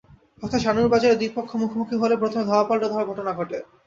পথে সানুর বাজারে দুই পক্ষ মুখোমুখি হলে প্রথমে ধাওয়াপাল্টাধাওয়ার ঘটনা ঘটে।